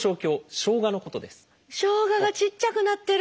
しょうががちっちゃくなってる！